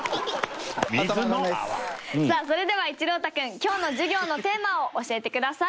さあそれでは一朗太君今日の授業のテーマを教えてください。